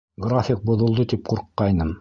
График боҙолдо тип ҡурҡҡайным.